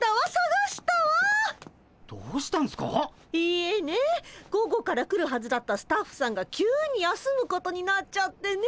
いえね午後から来るはずだったスタッフさんが急に休むことになっちゃってね。